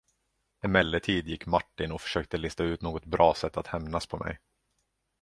Emellertid gick Martin och försökte lista ut något bra sätt att hämnas på mig.